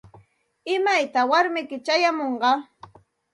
¿Imaytaq warmiyki chayamunqa?